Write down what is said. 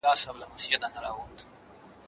فساد کوونکي بايد مهار سي.